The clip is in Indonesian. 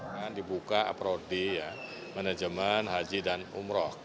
yang dibuka aprodi manajemen haji dan umroh